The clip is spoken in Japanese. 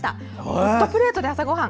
ホットプレートで朝ごはん。